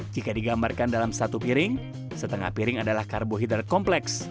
jika digambarkan dalam satu piring setengah piring adalah karbohidrat kompleks